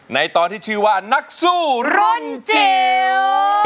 ในตอนที่ชื่อว่านักสู้รุ่นจิ๋ว